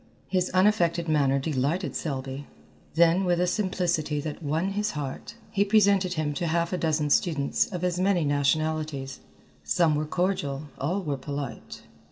His unaffected manner delighted Selby. Then with a simplicity that won his heart, he presented him to half a dozen students of as many nationalities. Some were cordial, all were polite.